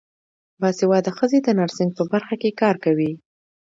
باسواده ښځې د نرسنګ په برخه کې کار کوي.